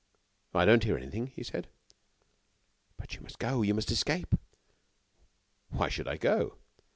"I don't hear anything," he said. "But you must go you must escape!" "Why should I go?"